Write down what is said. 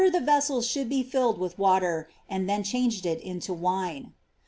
623 that the vessels should be filled with water, and then changed it into wine.